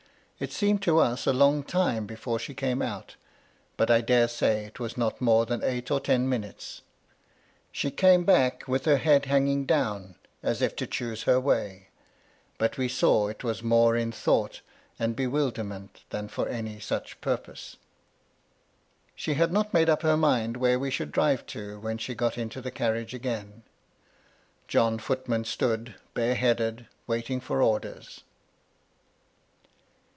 It seemed to us a long time before she came out; but I dare say it was not more than eight or ten minutes. She came back with her head hanging down, as if to choose her way, — but we saw it was more in thought and be wilderment than for any such purpose. She had not made up her mind where we should MY LADY LUDLOW. 55 drive to when she got into the carriage again. John Footman stood, bare headed, waiting for orders.